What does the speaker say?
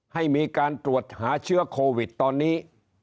ให้มีการตรวจหาเชื้อโควิดตอนนี้